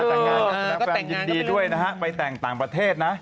แฟนยินดีด้วยนะฮะไปแต่งต่างประเทศนะ